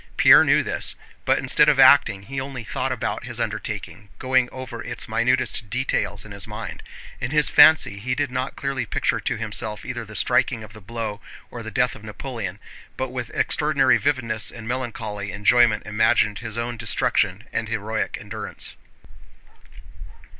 Pierre knew this, but instead of acting he only thought about his undertaking, going over its minutest details in his mind. In his fancy he did not clearly picture to himself either the striking of the blow or the death of Napoleon, but with extraordinary vividness and melancholy enjoyment imagined his own destruction and heroic endurance.